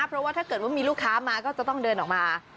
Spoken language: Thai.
เพราะว่าถ้าเกิดว่ามีลูกค้ามาก็จะต้องเดินออกมา